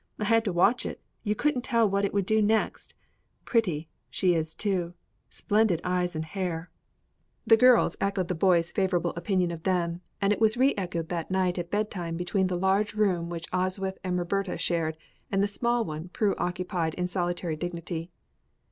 I had to watch it; you couldn't tell what it would do next pretty, she is too splendid eyes and hair." The girls echoed the boys' favorable opinion of them, and it was re echoed that night at bedtime between the large room which Oswyth and Roberta shared and the small one Prue occupied in solitary dignity.